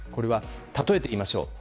例えて言いましょう。